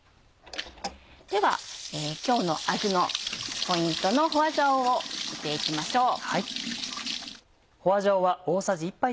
では今日の味のポイントの花椒をいって行きましょう。